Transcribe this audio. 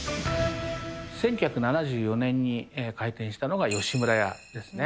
１９７４年に開店したのが吉村家ですね。